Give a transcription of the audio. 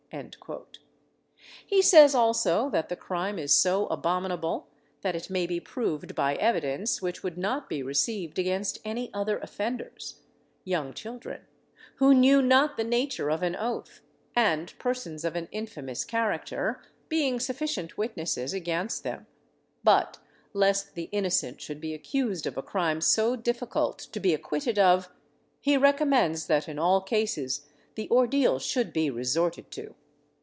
He says also that the crime is so abominable, that it may be proved by evidence which would not be received against any other offenders, young children, who knew not the nature of an oath, and persons of an infamous character, being sufficient witnesses against them; but lest the innocent should be accused of a crime so difficult to be acquitted of, he recommends that in all cases the ordeal should be resorted to.